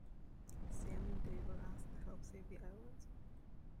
Sam and Dave are asked to help save the island.